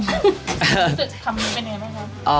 คำนี้เป็นยังไงบ้างครับ